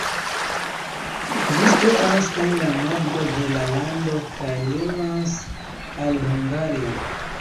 Ĝi situas en la nordo de la lando kaj limas al Hungario.